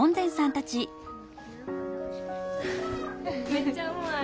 めっちゃうまい。